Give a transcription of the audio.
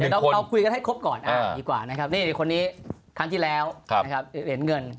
เดี๋ยวเราคุยกันให้ครบก่อนดีกว่านะครับนี่คนนี้ครั้งที่แล้วนะครับเหรียญเงิน